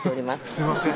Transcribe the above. すいません